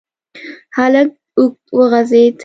هلک اوږد وغځېد.